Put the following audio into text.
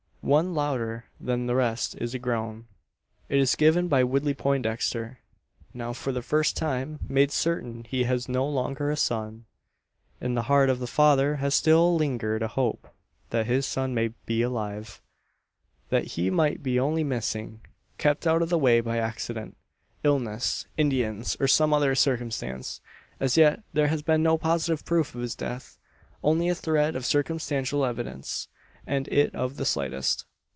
One louder than the rest is a groan. It is given by Woodley Poindexter; now for the first time made certain he has no longer a son! In the heart of the father has still lingered a hope that his son may be alive: that he might be only missing kept out of the way by accident, illness, Indians, or some other circumstance. As yet there has been no positive proof of his death only a thread of circumstantial evidence, and it of the slightest.